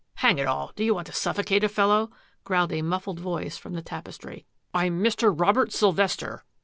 " Hang it all, do you want to suiFocate a fel low ?" growled a muffled voice from the tapestr; " I*m Mr. Robert Sylvester.